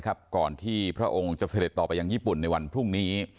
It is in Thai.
ก่อนที่พระองค์จะเสด็จต่อไปยังญี่ปุ่นในวันพรุ่งนี้